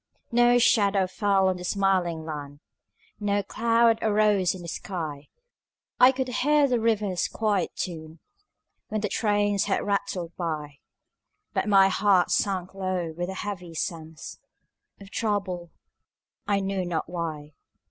No shadow fell on the smiling land, No cloud arose in the sky; I could hear the river's quiet tune When the trains had rattled by; But my heart sank low with a heavy sense Of trouble, I knew not why.